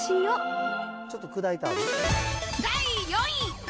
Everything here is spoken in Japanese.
第４位。